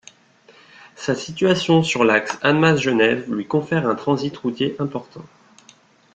Sa situation sur l'axe Annemasse-Genève, lui confère un transit routier important.